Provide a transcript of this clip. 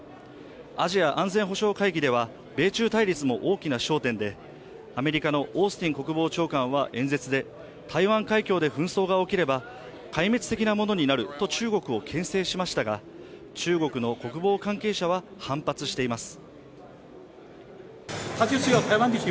アジア安全保障会議では米中対立も大きな焦点で、アメリカのオースティン国防長官は演説で、台湾海峡で紛争が起きれば壊滅的なものになると中国を牽制しましたが、中国の国防関係者は反発しています。